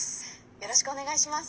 「よろしくお願いします」。